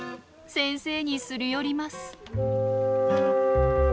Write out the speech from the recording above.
先生にすり寄ります。